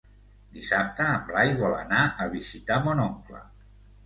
Dissabte en Blai vol anar a visitar mon oncle.